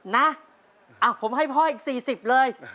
นะอ่ะผมให้พ่ออีกสี่สิบเลย